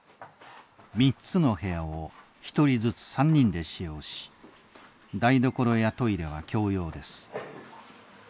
３つの部屋を１人ずつ３人で使用し台所やトイレは共用です。